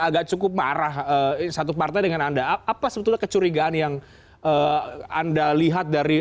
agak cukup marah satu partai dengan anda apa sebetulnya kecurigaan yang anda lihat dari